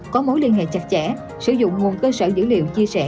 có mối liên hệ chặt chẽ sử dụng nguồn cơ sở dữ liệu chia sẻ